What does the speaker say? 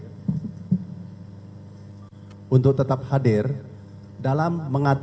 transvasasi juga merupakan suatu kebutuhan mendasar di masyarakat